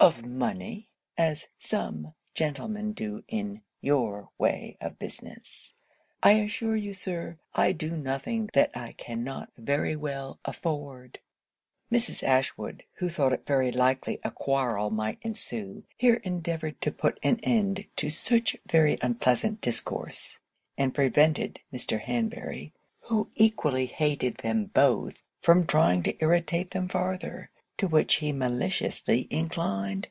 of money, as some gentlemen do in your way of business, I assure you, Sir, I do nothing that I cannot very well afford.' Mrs. Ashwood, who thought it very likely a quarrel might ensue, here endeavoured to put an end to such very unpleasant discourse; and prevented Mr. Hanbury, who equally hated them both, from trying to irritate them farther, to which he maliciously inclined.